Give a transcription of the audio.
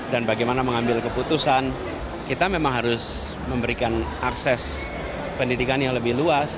dan bagaimana mengambil keputusan kita memang harus memberikan akses pendidikan yang lebih luas